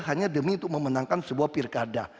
hanya demi untuk memenangkan sebuah pilkada